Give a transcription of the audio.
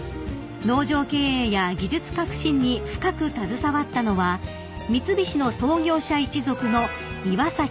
［農場経営や技術革新に深く携わったのは三菱の創業者一族の岩崎久彌］